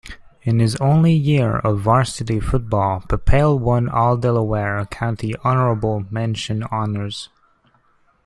In his only year of varsity football, Papale won All-Delaware County Honorable Mention honors.